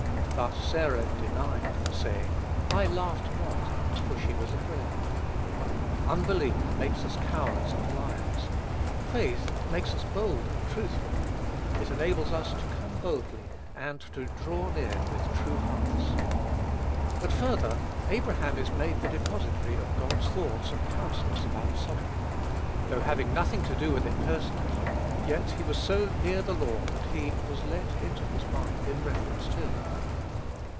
"But Sarah denied, saying, I laughed not; for she was afraid." Unbelief makes us cowards and liars; faith makes us bold and truthful. It enables us to "come boldly," and to "draw near with true hearts." But, further, Abraham is made the depositary of God's thoughts and counsels about Sodom. Though having nothing to do with it personally, yet he was so near the Lord that he was let into his mind in reference to it.